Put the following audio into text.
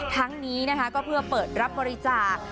ทั้งนี้นะคะก็เพื่อเปิดรับบริจาค